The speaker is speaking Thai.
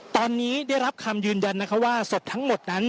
ตอนนี้ได้รับคำยืนยันนะคะว่าศพทั้งหมดนั้น